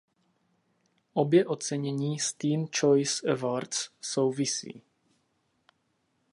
Obě ocenění s Teen Choice Awards souvisí.